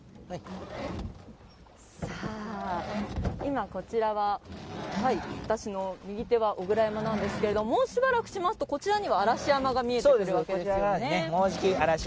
今、私の右手は小倉山なんですけどももうしばらくしますと、左側には嵐山が見えてくるわけですよね。